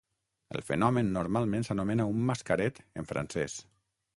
El fenomen normalment s'anomena "un mascaret" en francès.